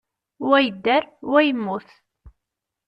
Wa yedder, wa yemmut.